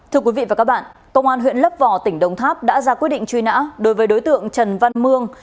thưa quý vị và các bạn công an huyện lấp vò tỉnh đồng tháp đã ra quyết định truy nã đối với đối tượng trần văn mương